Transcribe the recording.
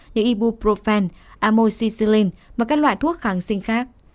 như ibuprofen amoxicillin và các loại thuốc kháng sinh khác